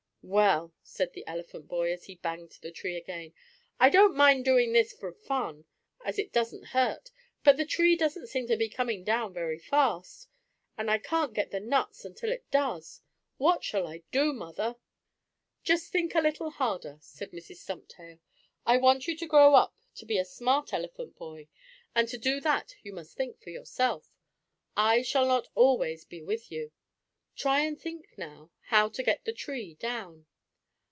"Well," said the elephant boy, as he banged the tree again, "I don't mind doing this for fun, as it doesn't hurt, but the tree doesn't seem to be coming down very fast. And I can't get the nuts until it does. What shall I do, mother?" "Just think a little harder," said Mrs. Stumptail. "I want you to grow up to be a smart elephant boy, and to do that you must think for yourself. I shall not always be with you. Try and think now how to get the tree down."